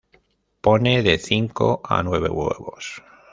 Pone de cinco a nueve huevos.